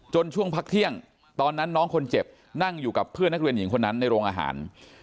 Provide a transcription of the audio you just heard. ช่วงพักเที่ยงตอนนั้นน้องคนเจ็บนั่งอยู่กับเพื่อนนักเรียนหญิงคนนั้นในโรงอาหาร